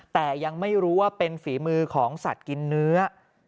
แต่ยังไม่รู้ว่าเป็นฝีมือของสัตว์กินเนื้อ